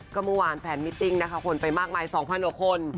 ก็เมื่อวานแฟนมิตติ้งนะคะคนไปมากมาย๒๐๐กว่าคน